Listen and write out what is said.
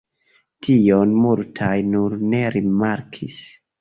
Tion multaj nur ne rimarkis.